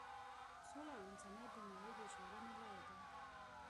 سوله او انسانیت د نړۍ د ژغورنې لار ده.